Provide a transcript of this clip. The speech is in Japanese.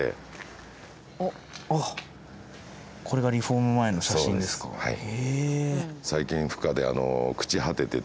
あっこれがリフォーム前の写真ですか？